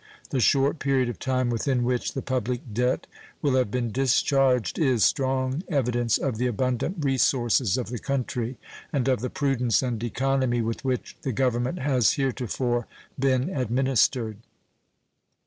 The short period of time within which the public debt will have been discharged is strong evidence of the abundant resources of the country and of the prudence and economy with which the Government has heretofore been administered.